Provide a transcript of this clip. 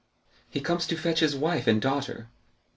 "He comes to fetch his wife and daughter."